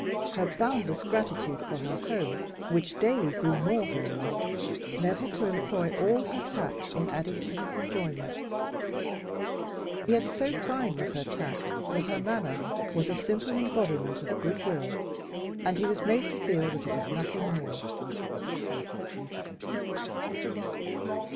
Her boundless gratitude for her home, which daily grew more homelike, led her to employ all her tact in adding to his enjoyment. Yet so fine was her tact that her manner was a simple embodiment of good will, and he was made to feel that it was nothing more.